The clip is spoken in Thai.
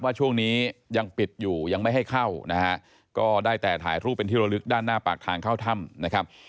ว่าช่วงนี้ยังปิดอยู่ยังไม่ให้เข้านะฮะก็ได้แต่ถ่ายรูปเป็นที่ระลึกด้านหน้าปากทางเข้าถ้ำนะครับ